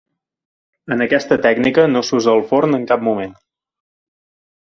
En aquesta tècnica no s'usa el forn en cap moment.